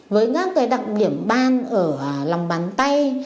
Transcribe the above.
với các cái đặc điểm ban ở lòng bàn tay